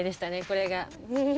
これが。